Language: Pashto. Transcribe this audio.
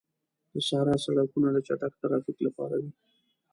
د صحرا سړکونه د چټک ترافیک لپاره وي.